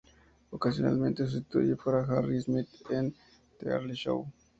Ocasionalmente sustituye para Harry Smith en "The Early Show".